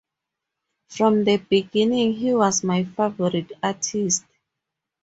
From the beginning he was my favorite artist.